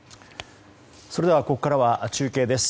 それではここからは中継です。